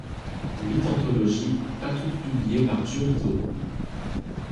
Huit anthologies, pas toutes publiées par Giolito.